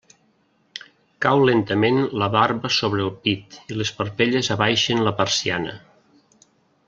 Cau lentament la barba sobre el pit i les parpelles abaixen la persiana.